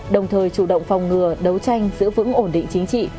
đồng thời chủ động phòng ngừa đấu tranh giữ vững ổn định chính trị